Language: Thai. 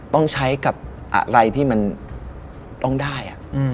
ต้องใช้กับอะไรที่มันต้องได้